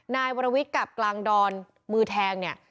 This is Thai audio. นายวรวิทย์กับกลางดอนมือแทงเนี่ย